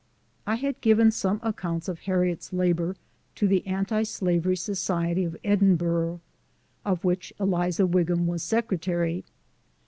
I had given some accounts of Harriet's labor to the Anti Slavery Society of Edinburgh, of which Eliza Wigham was Secretary.